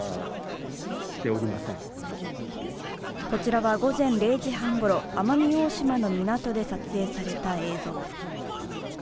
こちらは午前０時半ごろ、奄美大島の港で撮影された映像。